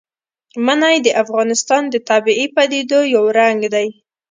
منی د افغانستان د طبیعي پدیدو یو رنګ دی.